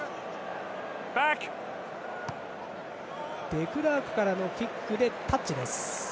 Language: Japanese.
デクラークのキックでタッチです。